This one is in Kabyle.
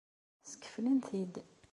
Skeflen-t-id.